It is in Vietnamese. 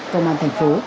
công an thành phố